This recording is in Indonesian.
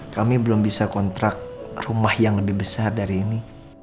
kami belum bisa kontrak rumah yang lebih besar dari ini